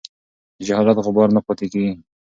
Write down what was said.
د جهالت غبار نه پاتې کېږي.